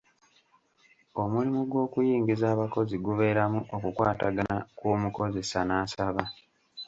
Omulimu gw'okuyingiza abakozi gubeeramu okukwatagana kw'omukozesa n'asaba.